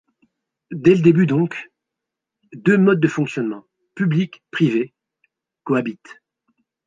Dès le début donc, deux modes de fonctionnement, public-privé, cohabitent.